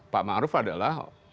pak maruf adalah